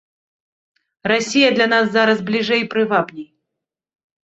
Расія для нас зараз бліжэй і прывабней.